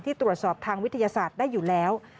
ตรวจสอบทางวิทยาศาสตร์ได้อยู่แล้ว